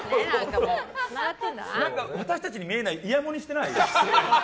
私たちに見えないイヤモニしてない？